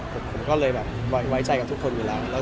ผมก็เลยเงียบทุกคนอยู่แล้ว